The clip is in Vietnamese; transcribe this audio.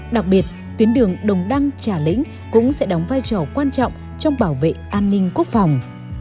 đặc biệt tuyến đường đồng đăng trà lĩnh cũng sẽ đóng vai trò quan trọng trong bảo vệ an ninh quốc phòng